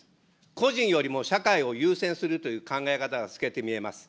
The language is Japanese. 個人よりも社会を優先するという考え方が透けて見えます。